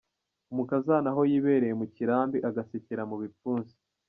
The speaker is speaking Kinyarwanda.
Umukazana aho yibereye mu kirambi agasekera mu bipfunsi.